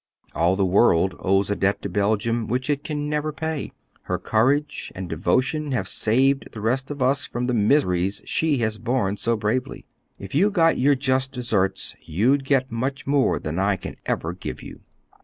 "All the world owes a debt to Belgium which it can never pay. Her courage and devotion have saved the rest of us from the miseries she has borne so bravely. If you got your just deserts, you'd get much more than I can ever give you."